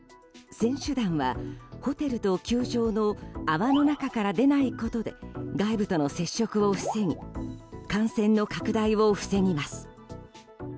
選手団はホテルと球場の泡の中から出ないことで外部との接触を防ぎ感染の拡大を防ぎます。